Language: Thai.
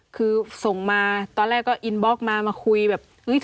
คือส่งมาตอนแรกก็อินบล็อกมามาคุยแบบ